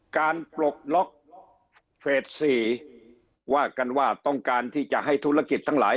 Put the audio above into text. ปลดล็อกเฟส๔ว่ากันว่าต้องการที่จะให้ธุรกิจทั้งหลาย